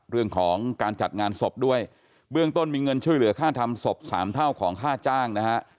เรื่องของการจัดงานศพด้วยเบื้องต้นมีเงินช่วยเหลือค่าทำศพสามเท่าของค่าจ้างนะฮะ